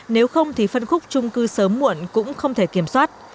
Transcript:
nếu không thì phân khúc trung cư sớm muộn cũng không thể kiểm soát